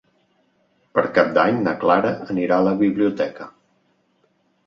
Per Cap d'Any na Clara anirà a la biblioteca.